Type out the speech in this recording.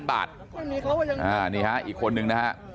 ๓๐๐๐บาทอันนี้ฮะอีกคนนึงนะฮะ